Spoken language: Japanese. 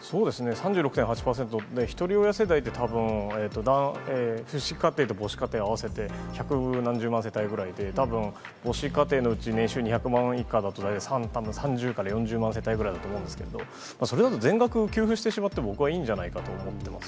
そうですね、３６．８％、ひとり親世帯ってたぶん、父子家庭と母子家庭合わせて、百何十万世帯ということで、たぶん母子家庭のうち年収２００万以下だと、３０から４０万世帯だと思うんですけど、それだと全額給付してしまっても、僕はいいんじゃないかと思ってます。